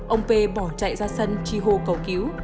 ông p bỏ chạy ra sân tri hồ cầu cứu